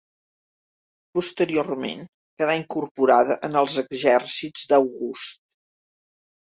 Posteriorment quedà incorporada en els exèrcits d'August.